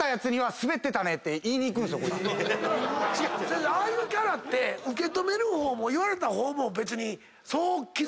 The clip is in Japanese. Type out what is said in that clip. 先生ああいうキャラって受け止める方も言われた方も別にそう傷つかない。